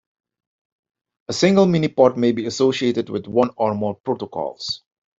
A single miniport may be associated with one or more protocols.